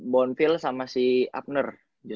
bonfield sama si abner